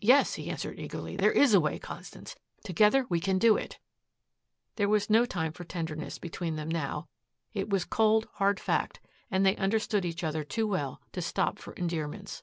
"Yes," he answered eagerly, "there is a way, Constance. Together we can do it." There was no time for tenderness between them now. It was cold, hard fact and they understood each other too well to stop for endearments.